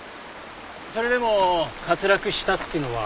それでも滑落したっていうのは。